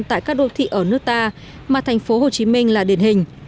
tại các đô thị ở nước ta mà thành phố hồ chí minh là điển hình